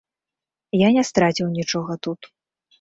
Я не страціў нічога тут.